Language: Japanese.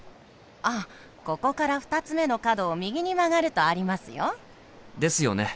あここから２つ目の角を右に曲がるとありますよ。ですよね。